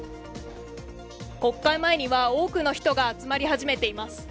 国会前には多くの人が集まり始めています。